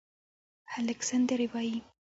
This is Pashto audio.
هلک سندرې وايي